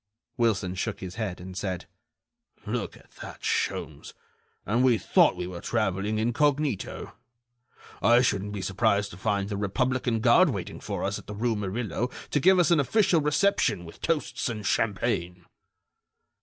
Wilson shook his head, and said: "Look at that, Sholmes, and we thought we were traveling incognito! I shouldn't be surprised to find the republican guard waiting for us at the rue Murillo to give us an official reception with toasts and champagne."